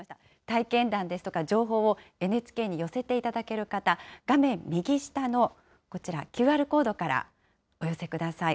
体験談ですとか情報をＮＨＫに寄せていただける方、画面右下の、こちらＱＲコードからお寄せください。